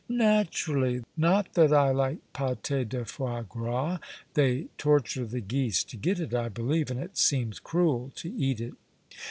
"Naturally! Not that I like pâté de foie gras. They torture the geese to get it, I believe, and it seems cruel to eat it."